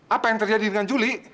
apa yang terjadi dengan juli